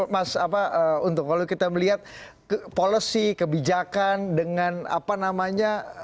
mas apa untuk kalau kita melihat policy kebijakan dengan apa namanya